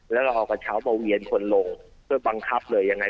แล้วเราเอากระเช้ามาเวียนคนลงเพื่อบังคับเลยยังไง